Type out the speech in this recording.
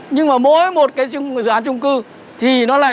nhưng mà mỗi một cái dự án trung cư thì nó lại